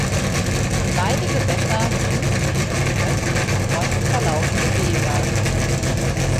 Beide Gewässer münden in die südöstlich des Ortes verlaufende Bever.